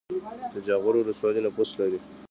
د جاغوری ولسوالۍ نفوس لري